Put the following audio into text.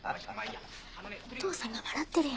お父さんが笑ってるよ